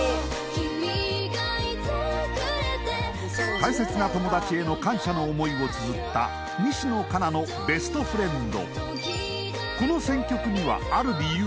大切な友達への感謝の思いをつづった西野カナの「ＢｅｓｔＦｒｉｅｎｄ」。